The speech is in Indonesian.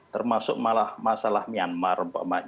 termasuk masalah myanmar